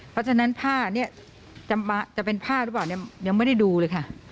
เพราะฉะนั้นผ้าจะเป็นผ้อะไรบ่อยเนี่ยยังไม่ได้ดูเลยค่ะ